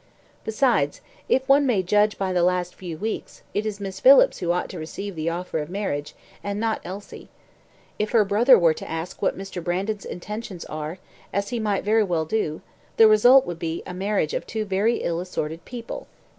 Besides, if one may judge by the last few weeks, it is Miss Phillips who ought to receive the offer of marriage, and not Elsie. If her brother were to ask what Mr. Brandon's intentions are, as he might very well do, the result would be a marriage of two very ill assorted people.